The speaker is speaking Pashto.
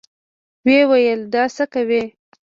ويې ويل دا څه کوې.